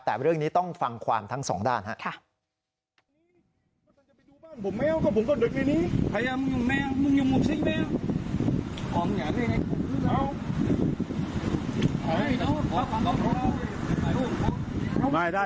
แต่เรื่องนี้ต้องฟังความทั้งสองด้านครับ